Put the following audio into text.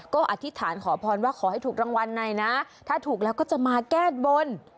ก็อธิษฐานขอพรว่าขอให้ถูกรางวัลหน่อยนะถ้าถูกแล้วก็จะมาแก้บน